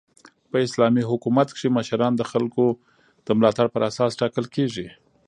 په اسلامي حکومت کښي مشران د خلکو د ملاتړ پر اساس ټاکل کیږي.